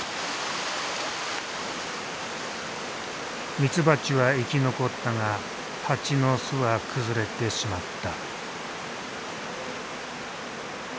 ミツバチは生き残ったがハチの巣は崩れてしまった。